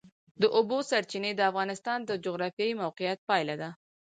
د اوبو سرچینې د افغانستان د جغرافیایي موقیعت پایله ده.